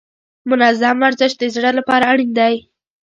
منظم ورزش د زړه لپاره اړین دی.